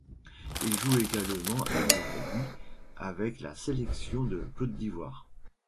Il joue également avec lui avec la sélection de Côte d'Ivoire.